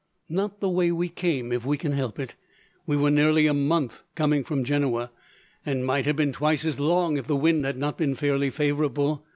"Not the way we came, if we can help it. We were nearly a month coming from Genoa, and might have been twice as long, if the wind had not been fairly favourable.